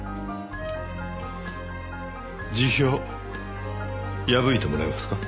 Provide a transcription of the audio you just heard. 辞表破いてもらえますか？